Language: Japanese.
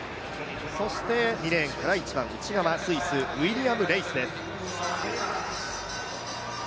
そして２レーンから一番内側スイスのウィリアム・レイスです。